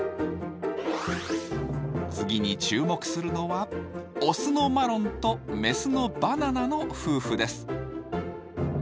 次に注目するのはオスのマロンとメスのバナナの夫婦です。